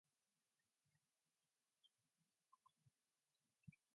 City officials opted not to fund repairs.